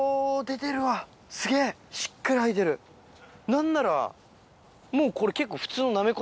何ならもうこれ結構。